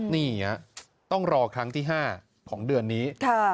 นี่ต้องรอครั้งที่๕ของเดือนนี้